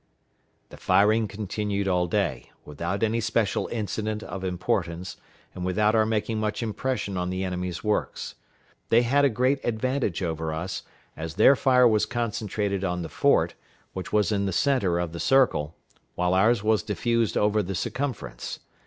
The firing continued all day, without any special incident of importance, and without our making much impression on the enemy's works. They had a great advantage over us, as their fire was concentrated on the fort, which was in the centre of the circle, while ours was diffused over the circumference.